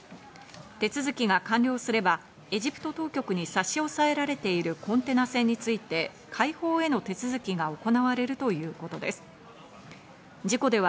手続きが完了すればエジプト当局に差し押さえられているコンテナ船について、解放への手続きが行われるということです。